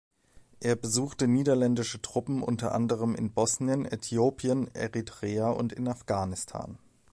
Er besuchte niederländische Truppen unter anderem in Bosnien, Äthiopien, Eritrea und in Afghanistan.